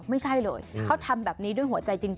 ไม่ใช่เลยเขาทำแบบนี้ด้วยหัวใจจริง